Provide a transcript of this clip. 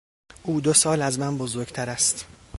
او دو سال از من بزرگتر است.